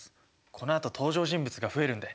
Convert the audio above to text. このあと登場人物が増えるんで。